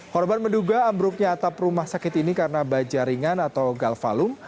korban menduga ambruknya atap rumah sakit ini karena baja ringan atau galvalum